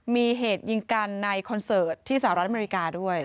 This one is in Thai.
มีเหตุยิงกันในคอนเสิร์ตที่สหรัฐอเมริกาด้วย